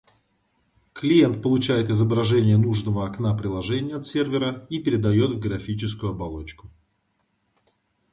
Клиент получает изображение нужного окна приложения от сервера и передает в графическую оболочку